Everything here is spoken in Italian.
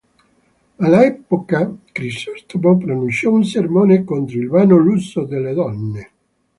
All'epoca Crisostomo pronunciò un sermone contro il vano lusso delle donne.